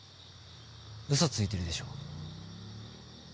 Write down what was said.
ウソついてるでしょ